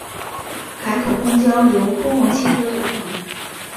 海口公交由公共汽车组成。